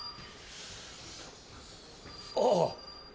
ああ！